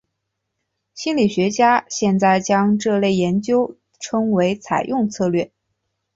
心理学家现在将这类研究称为采用策略。